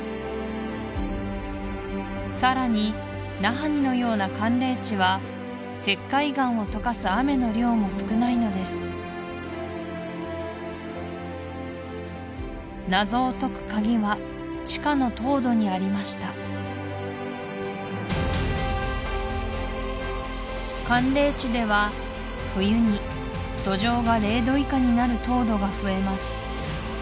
さらにナハニのような寒冷地は石灰岩をとかす雨の量も少ないのです謎を解くカギは地下の凍土にありました寒冷地では冬に土壌が０度以下になる凍土が増えます